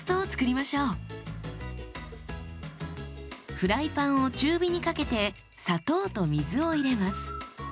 フライパンを中火にかけて砂糖と水を入れます。